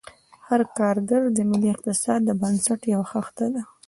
هر کارګر د ملي اقتصاد د بنسټ یوه خښته ده.